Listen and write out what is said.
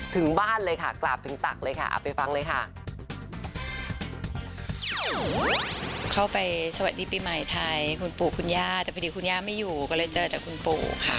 ถึงบ้านเลยค่ะกราบถึงตักเลยค่ะเอาไปฟังเลยค่ะ